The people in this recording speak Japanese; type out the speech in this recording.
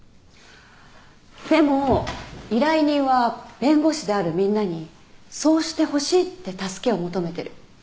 でも依頼人は弁護士であるみんなにそうしてほしいって助けを求めてる。